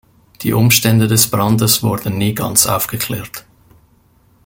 Die Umstände des Brandes wurden nie ganz aufgeklärt.